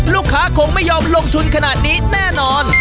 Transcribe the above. คงไม่ยอมลงทุนขนาดนี้แน่นอน